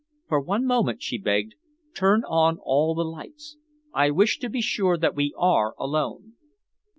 "For one moment," she begged, "turn on all the lights. I wish to be sure that we are alone."